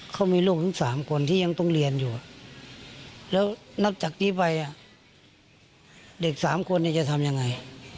เขามีลูกถึง๓คนที่ยังต้องเรียนอยู่แล้วนับจากนี้ไปเด็ก๓คนจะทำยังไง